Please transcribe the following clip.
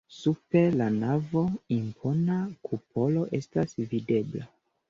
Super la navo impona kupolo estas videbla.